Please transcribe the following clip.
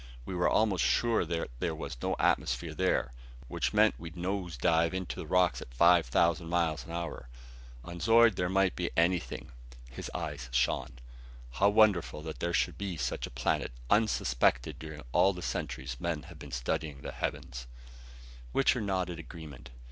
We were almost sure that was no atmosphere there which meant we'd nose dive into the rocks at five thousand miles an hour. On Zeud there might be anything." His eyes shone. "How wonderful that there should be such a planet, unsuspected during all the centuries men have been studying the heavens!" Wichter nodded agreement.